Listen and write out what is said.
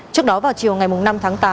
trước đó vào chiều ngày năm tháng tám